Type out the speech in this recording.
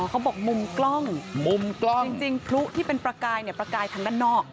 เขาบอกมุมกล้องจริงพลุที่เป็นประกายประกายทางด้านนอก